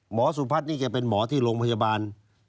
สุพัฒน์นี่แกเป็นหมอที่โรงพยาบาล